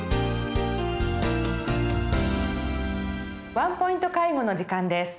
「ワンポイント介護」の時間です。